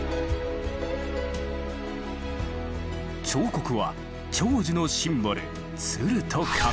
彫刻は長寿のシンボル鶴と亀。